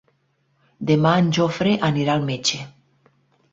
Demà en Jofre anirà al metge.